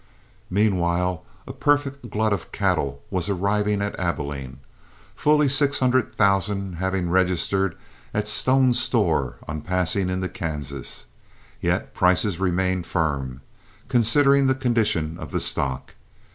Meanwhile a perfect glut of cattle was arriving at Abilene, fully six hundred thousand having registered at Stone's Store on passing into Kansas, yet prices remained firm, considering the condition of the stock.